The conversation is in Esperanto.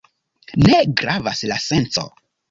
Ne gravas la senco.